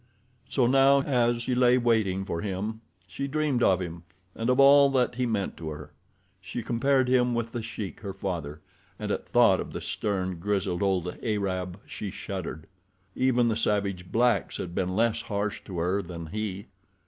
So now as she lay waiting for him she dreamed of him and of all that he meant to her. She compared him with The Sheik, her father, and at thought of the stern, grizzled, old Arab she shuddered. Even the savage blacks had been less harsh to her than he.